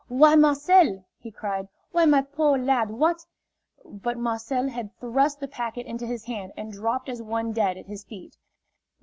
"Why, Marcel!" he cried. "Why, my poor lad, what " But Marcel had thrust the packet into his hand, and dropped as one dead at his feet.